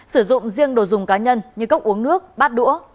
sử dụng riêng đồ dùng cá nhân như cốc uống nước bát đũa